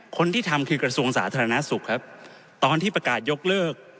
คนที่ทำคือกระทรวงสาธารณสุขครับตอนที่ประกาศยกเลิก